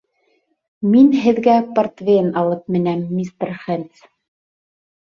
Мин һеҙгә портвейн алып менәм, мистер Хэндс.